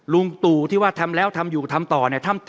ลุงตู่ที่ว่าทำแล้วทำอยู่ทำต่อเนี่ย